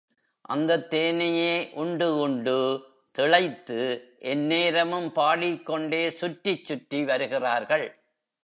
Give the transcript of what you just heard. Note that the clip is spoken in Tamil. அந்தத் தேனையே உண்டு உண்டு திளைத்து எந்நேரமும் பாடிக்கொண்டே சுற்றிச் சுற்றி வருகிறார்கள்.